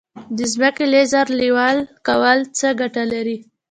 د ځمکې لیزر لیول کول څه ګټه لري؟